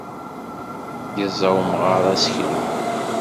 Yeẓẓa umɣar aseklu.